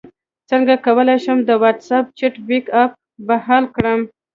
څنګه کولی شم د واټساپ چټ بیک اپ بحال کړم